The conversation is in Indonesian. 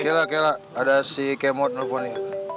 kira kira ada si k mod teleponnya